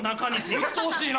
うっとうしいな！